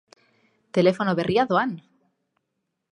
Telefono berria, doan!